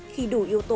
khi đủ yếu tố